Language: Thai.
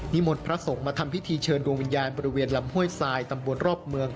มนต์พระสงฆ์มาทำพิธีเชิญดวงวิญญาณบริเวณลำห้วยทรายตำบลรอบเมือง